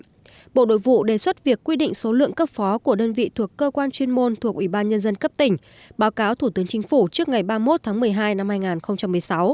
thủ tướng chính phủ giao bộ đội vụ đề xuất việc quy định số lượng cấp phó của đơn vị thuộc cơ quan chuyên môn thuộc ủy ban nhân dân cấp tỉnh báo cáo thủ tướng chính phủ trước ngày ba mươi một tháng một mươi hai năm hai nghìn một mươi sáu